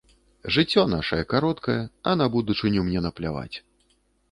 Жыццё нашае кароткае, а на будучыню мне напляваць.